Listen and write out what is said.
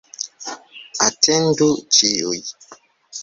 Atendu ĉiuj